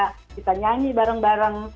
kita nyanyi bareng bareng